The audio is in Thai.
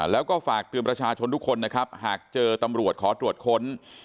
แล้วก็ฝากเตือนประชาชนทุกคนนะครับหากเจอตำรวจขอตรวจค้น